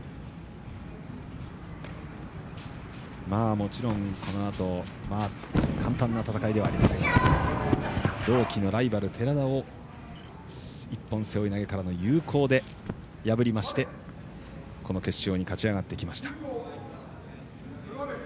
もちろん、このあと簡単な戦いではありませんが同期のライバル、寺田を一本背負い投げからの有効で破りましてこの決勝に勝ち上がってきました。